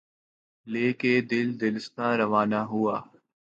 لے کے دل، دلستاں روانہ ہوا